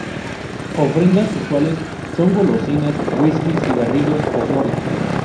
Ofrendas usuales son golosinas, whisky, cigarrillos, o flores.